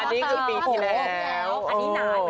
อันนี้คือปีที่แล้ว